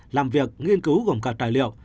làm việc nghiên cứu gồm cả tài liệu